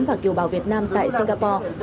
và kiều bào việt nam tại singapore